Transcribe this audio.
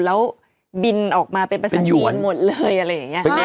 แล้วบินออกมาเป็นภาษาจีนหมดเลยอะไรอย่างนี้